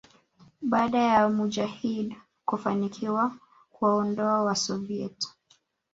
baada ya Mujahideen kufanikiwa kuwaondoa Wasoviet